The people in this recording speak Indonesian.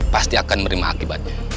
pasti akan menerima akibatnya